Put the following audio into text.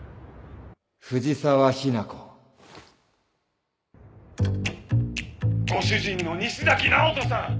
藤沢日奈子ご主人の西崎直人さん。